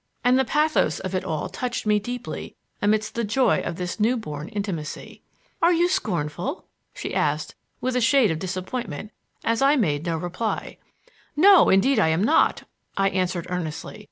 And the pathos of it all touched me deeply amidst the joy of this new born intimacy. "Are you scornful?" she asked, with a shade of disappointment, as I made no reply. "No, indeed I am not," I answered earnestly.